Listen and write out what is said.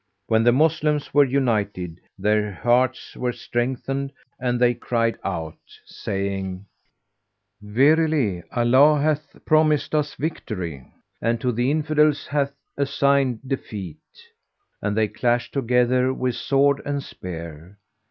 When the Moslems were united, their hearts were strengthened and they cried out, saying, "Verily Allah hath pro mised us victory, and to the Infidels hath assigned defeat." And they clashed together with sword and spear.